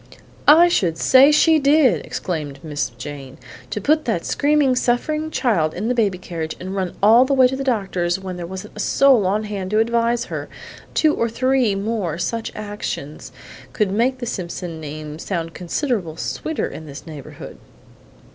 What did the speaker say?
"I should say she did!" exclaimed Miss Jane; "to put that screaming, suffering child in the baby carriage and run all the way to the doctor's when there wasn't a soul on hand to advise her! Two or three more such actions would make the Simpson name sound consid'rable sweeter in this neighborhood."